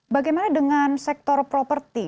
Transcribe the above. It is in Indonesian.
bagaimana dengan sektor properti